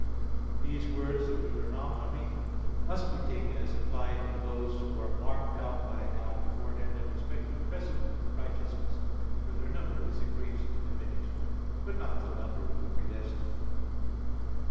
1: These words of Deuteronomy must be taken as applied to those who are marked out by God beforehand in respect to present righteousness. For their number is increased and diminished, but not the number of the predestined.